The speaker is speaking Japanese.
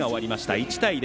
１対０。